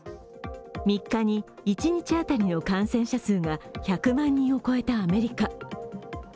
３日に一日当たりの感染者数が１００万人を超えたアメリカ。